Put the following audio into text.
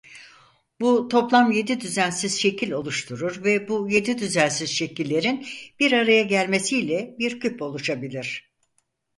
Bu toplam yedi düzensiz şekil oluşturur ve bu yedi düzensiz şekillerin bir araya gelmesiyle bir küp oluşabilir.